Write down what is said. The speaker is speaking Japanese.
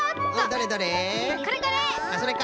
どれどれ？